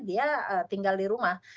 dia tinggal di rumah